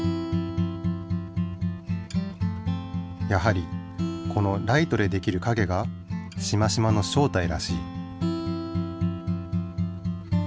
やはりこのライトでできるかげがしましまの正体らしい。